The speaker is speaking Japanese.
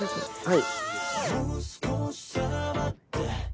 はい。